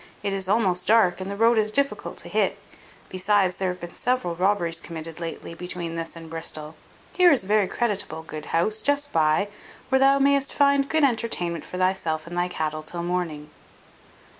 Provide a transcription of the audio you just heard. It is almost dark, and the road is difficult to hit; besides, there have been several robberies committed lately between this and Bristol. Here is a very creditable good house just by, where thou may'st find good entertainment for thyself and thy cattle till morning."